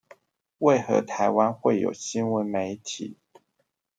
為何台灣會有新聞媒體